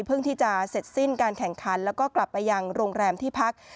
เพื่อที่จะเสร็จสิ้นการแข่งขันแล้วก็กลับไปยังโรงแรมที่พัก